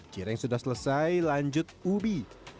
cireng sudah selesai lanjut ubi